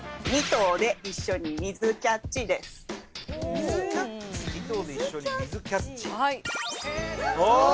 「２頭で一緒に水キャッチ」ああ！